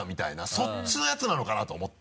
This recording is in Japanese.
そっちのやつなのかな？と思って。